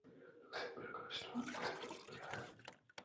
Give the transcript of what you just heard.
ルクセンブルクの首都はルクセンブルクである